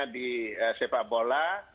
di sepak bola